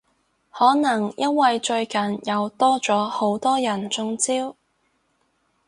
可能因為最近又多咗好多人中招？